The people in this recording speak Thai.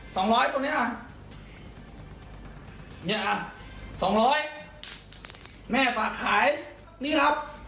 สองร้อยตรงเนี้ยอ่ะเนี้ยอ่ะสองร้อยแม่ฝากขายนี่ครับ